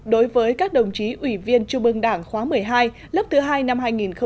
đối với các đồng chí ủy viên trung ương đảng khóa một mươi hai lớp thứ hai năm hai nghìn một mươi tám